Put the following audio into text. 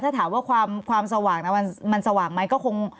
ถ้าถามว่าความสว่างนะมันสว่างไหมก็คง